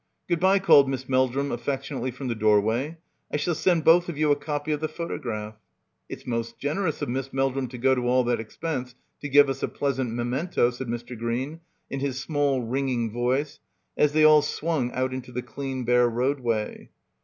"Good bye," called Miss Meldrum affection ately from the doorway. "I shall send both of you a copy of the photograph." "It's most generous of Miss Meldrum to go to all that expense to give us a pleasant memento," said Mr. Green in his small ringing voice as they all swung out into the clean bare roadway.